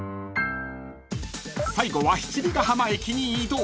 ［最後は七里ヶ浜駅に移動］